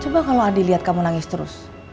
coba kalau adi liat kamu nangis terus